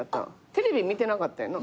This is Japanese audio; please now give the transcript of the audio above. テレビ見てなかったやんな？